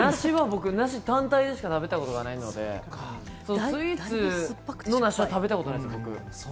僕は梨、単体でしか食べたことないので、スイーツは食べたことないです、僕。